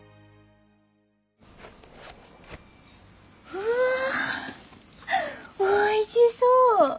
うわおいしそう！